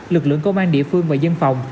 lực lượng công an địa phương và dân phòng